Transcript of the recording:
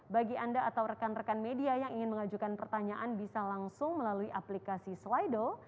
bagi anda atau rekan rekan media yang ingin mengajukan pertanyaan bisa langsung melalui aplikasi slido